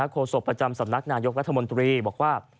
โศกประจำสำนักนายกรัฐมนตรีบอกว่า